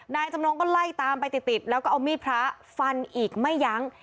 นายจำนงก็ไล่ตามไปติดแล้วก็เอามีดพระฟันอีกไม่ยั้ง